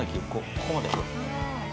ここまで。